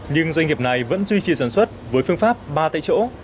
nhưng doanh nghiệp này vẫn duy trì sản xuất với phương pháp ba tại chỗ